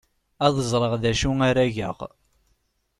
Ad ẓreɣ d acu ara geɣ.